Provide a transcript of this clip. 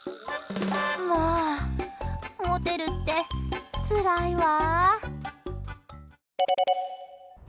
もう、モテるってつらいわ。